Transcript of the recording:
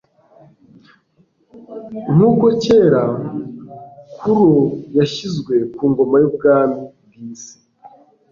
Nk'uko kera Kuro yashyizwe ku ngoma y'ubwami bw'isi